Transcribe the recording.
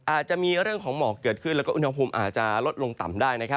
อาจจะมีเรื่องของหมอกเกิดขึ้นแล้วก็อุณหภูมิอาจจะลดลงต่ำได้